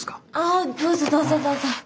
あどうぞどうぞどうぞ。